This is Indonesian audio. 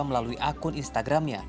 melalui akun instagramnya